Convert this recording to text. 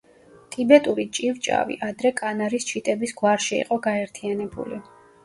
ტიბეტური ჭივჭავი ადრე კანარის ჩიტების გვარში იყო გაერთიანებული.